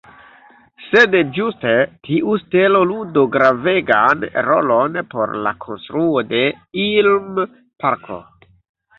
Sed ĝuste tiu "stelo" ludo gravegan rolon por la konstruo de Ilm-parko.